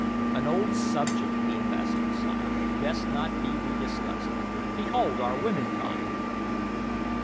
"An old subject," the Ambassador sighed, "best not rediscussed. Behold, our womenkind!"